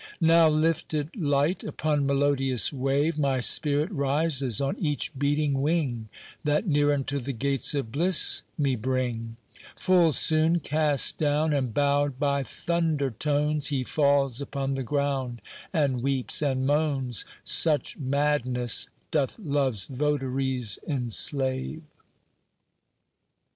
Now lifted light upon melodious wave, My spirit rises on each beating wing, That near unto the gates of bliss me bring; Full soon cast down, and bowed by thunder tones, He falls upon the ground, and weeps and moans— Such madness doth Love's votaries enslave.